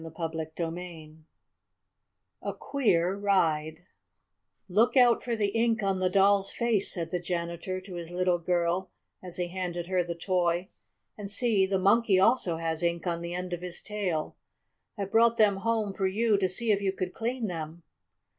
CHAPTER IV A QUEER RIDE "Look out for the ink on the Doll's face," said the janitor to his little girl, as he handed her the toy. "And see, the Monkey also has ink on the end of his tail. I brought them home to you, to see if you could clean them."